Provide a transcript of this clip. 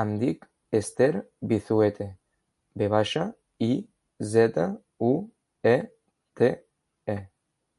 Em dic Esther Vizuete: ve baixa, i, zeta, u, e, te, e.